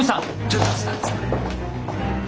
ちょっと。